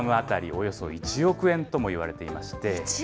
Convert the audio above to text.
およそ１億円ともいわれていまして。